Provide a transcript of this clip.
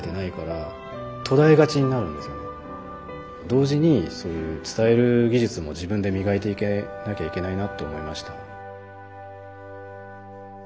同時にそういう伝える技術も自分で磨いていかなきゃいけないなと思いました。